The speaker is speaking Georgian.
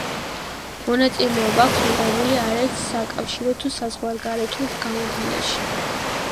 მონაწილეობა აქვს მიღებული არაერთ საკავშირო თუ საზღვარგარეთულ გამოფენაში.